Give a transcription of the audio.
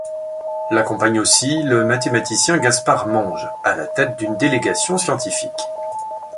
L'accompagne aussi le mathématicien Gaspard Monge à la tête d'une délégation scientifique.